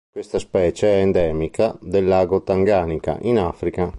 Questa specie è endemica del lago Tanganica, in Africa.